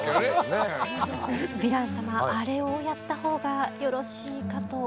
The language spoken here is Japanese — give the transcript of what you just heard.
ヴィラン様あれをやったほうがよろしいかと。